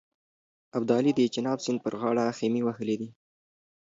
ابدالي د چیناب سیند پر غاړه خېمې وهلې دي.